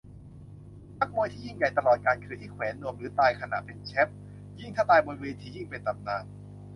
นักมวยที่ยิ่งใหญ่ตลอดกาล คือที่แขวนนวมหรือตายขณะเป็นแชมป์ ยิ่งถ้าตายบนเวทียิ่งเป็นตำนาน